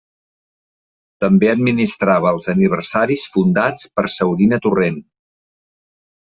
També administrava els aniversaris fundats per Saurina Torrent.